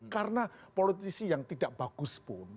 karena politisi yang tidak bagus pun